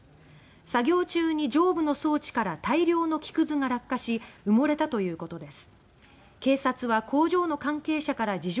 作業中に上部の装置から大量の木くずが落下し埋もれたということです。